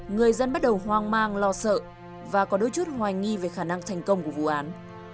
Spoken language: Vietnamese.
người dân bắt đầu hoang mang lo sợ và có đôi chút hoài nghi về khả năng thành công của vụ án